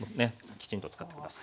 きちんと使って下さい。